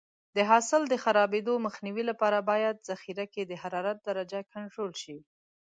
د حاصل د خرابېدو مخنیوي لپاره باید ذخیره کې د حرارت درجه کنټرول شي.